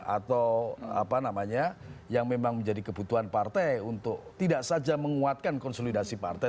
atau apa namanya yang memang menjadi kebutuhan partai untuk tidak saja menguatkan konsolidasi partai